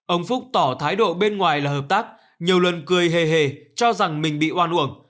ông phúc tỏ thái độ bên ngoài là hợp tác nhiều lần cười hề hề cho rằng mình bị oan uổng